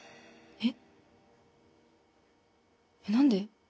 えっ何で？